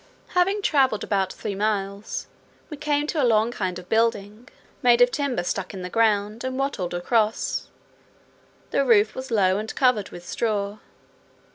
Having travelled about three miles, we came to a long kind of building, made of timber stuck in the ground, and wattled across; the roof was low and covered with straw.